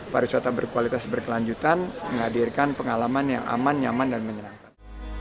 pariwisata berkualitas berkelanjutan menghadirkan pengalaman yang aman nyaman dan menyenangkan